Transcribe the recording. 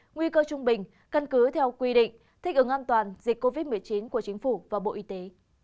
nguy cơ trung bình cân cứ theo quy định thích ứng an toàn dịch covid một mươi chín của chính phủ và bộ y tế